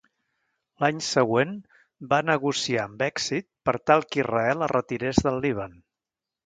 L"any següent va negociar amb èxit per tal que Israel es retirés del Líban.